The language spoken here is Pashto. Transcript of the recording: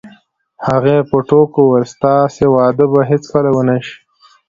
هغې په ټوکو وویل: ستاسې واده به هیڅکله ونه شي.